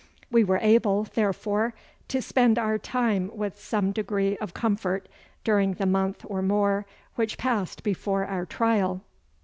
We were able, therefore, to spend our time with some degree of comfort during the month or more which passed before our trial.